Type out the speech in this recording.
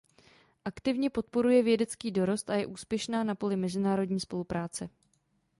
Aktivně podporuje vědecký dorost a je úspěšná na poli mezinárodní spolupráce.